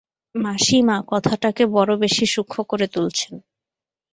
মাসিমা, কথাটাকে বড়ো বেশি সূক্ষ্ম করে তুলছেন।